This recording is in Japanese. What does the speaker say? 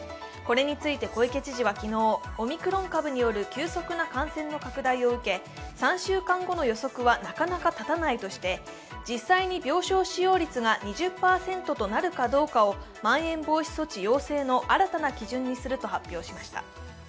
これについて小池知事は昨日オミクロン株による急速な感染拡大を受け、３週間後の予測は、なかなか立たないとして実際に病床使用率が２０％となるかどうかをまん延防止措置要請の新たな基準にすると発表しました。